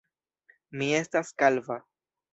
Mi estas kalva.